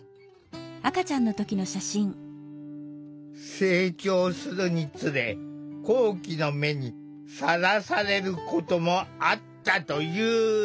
成長するにつれ好奇の目にさらされることもあったという。